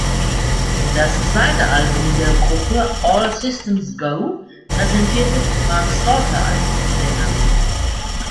Das zweite Album der Gruppe, "All Systems Go", präsentierte Mark Slaughter als Sänger.